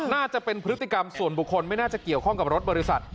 น่าจะเป็นพฤติกรรมส่วนบุคคลไม่น่าจะเกี่ยวข้องกับรถบริษัท